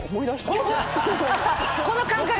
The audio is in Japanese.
この感覚！